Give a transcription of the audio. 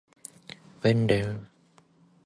滑走路の手前は、すごい飛行機が大きく見られる。